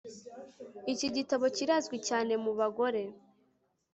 Iki gitabo kirazwi cyane mubagore